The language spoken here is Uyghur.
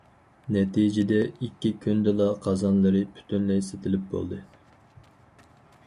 نەتىجىدە، ئىككى كۈندىلا قازانلىرى پۈتۈنلەي سېتىلىپ بولدى.